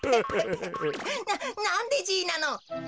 ななんでじいなの？